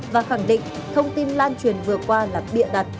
và khẳng định thông tin lan truyền vừa qua là bịa đặt